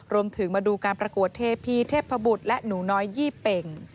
มาดูการประกวดเทพีเทพบุตรและหนูน้อยยี่เป่ง